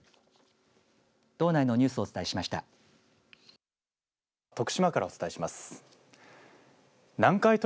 道内のニュースをお伝えしました。